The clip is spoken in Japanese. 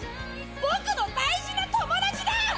ボクの大事な友達だ！